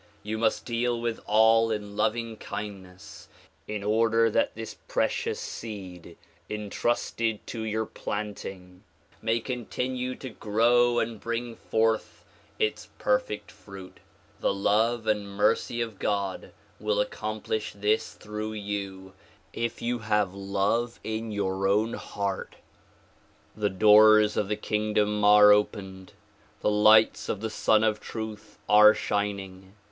You must deal with all in loving kindness in order that this precious seed entrusted to your planting may continue to grow and bring forth its perfect fruit. The love and mercy of God will accomplish this through you if you have love in your own heart. DISCOURSES DELIVERED IN NEW YORK 7 The doors of the kingdom are opened. The lights of the Sun of Truth are shining.